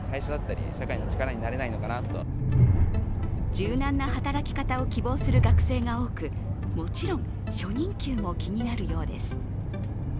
柔軟な働き方を希望する学生が多く、もちろん初任給も気になるようです。